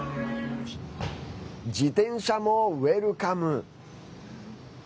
自転車もウェルカム。